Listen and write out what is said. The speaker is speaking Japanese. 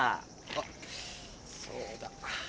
あっそうだ。